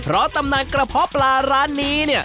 เพราะตำนานกระเพาะปลาร้านนี้เนี่ย